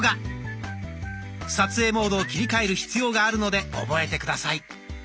撮影モードを切り替える必要があるので覚えて下さい。